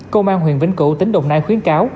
công an huyện vĩnh cụ tính đồng nai khuyến cáo